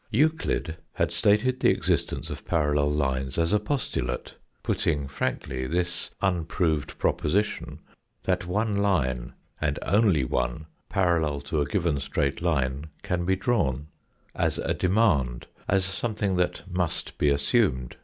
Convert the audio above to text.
Euclid had stated the existence of parallel lines as a postulate putting frankly this unproved proposition that one line and only one parallel to a given straight line can be drawn, as a demand, as something that must be assumed.